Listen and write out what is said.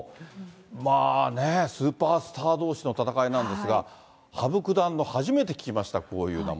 まあね、スーパースターどうしの戦いなんですが、羽生九段の初めて聞きました、こういう名前。